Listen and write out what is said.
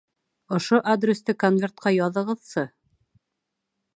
Ошо адресты конвертҡа яҙығыҙсы.